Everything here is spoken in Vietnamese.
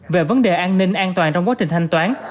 về vấn đề an ninh an toàn trong quá trình thanh toán